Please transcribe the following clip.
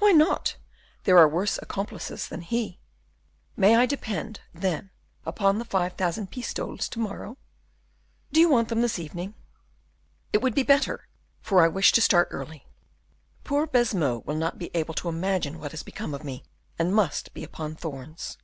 "Why not? there are worse accomplices than he. May I depend, then, upon the five thousand pistoles to morrow?" "Do you want them this evening?" "It would be better, for I wish to start early; poor Baisemeaux will not be able to imagine what has be become of me, and must be upon thorns."